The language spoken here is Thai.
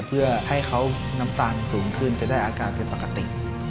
เพื่อให้เขาน้ำตาลสูงขึ้นจะได้อาการเป็นปกติ